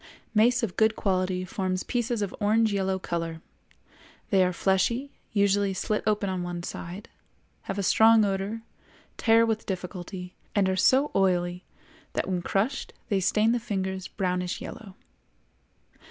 Mace of good quality forms pieces of orange yellow color; they are fleshy, usually slit open on one side, have a strong odor, tear with difficulty, and are so oily that when crushed they stain the fingers brownish yellow.